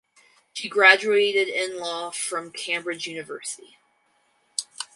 She graduated in law from Cambridge University.